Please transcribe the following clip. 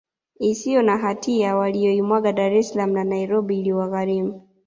isiyo na hatia waliyoimwaga Dar es Salaam na Nairobi iliwagharimu